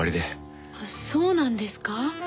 そうなんですか？